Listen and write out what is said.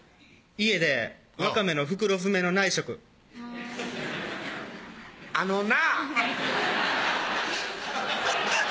家でワカメの袋詰めの内職あのな・